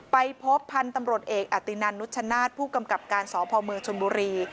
ไปพบพันธุ์ตำรวจเอกอตินันนุชชนาธิ์ผู้กำกับการสพเมืองชนบุรี